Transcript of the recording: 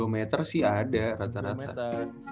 dua puluh meter sih ada rata rata